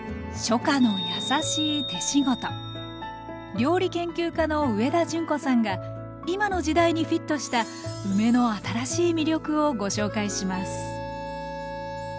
料理研究家の上田淳子さんが今の時代にフィットした梅の新しい魅力をご紹介します